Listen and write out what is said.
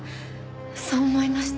そう思いました。